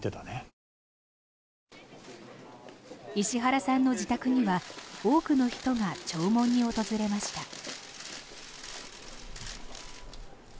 石原さんの自宅には多くの人が弔問に訪れました。